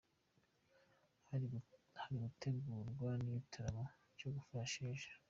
Hari gutegurwa n’igitaramo cyo gufasha Sheja.